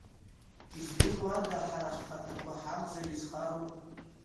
Издыруада, ҳара ххаҭақуа ҳакузар изхароу?